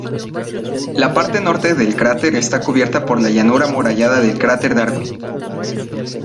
La parte norte del cráter está cubierta por la llanura amurallada del cráter Darwin.